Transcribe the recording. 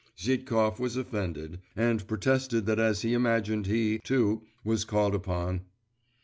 Zhitkov was offended, and protested that as he imagined he, too, was called upon.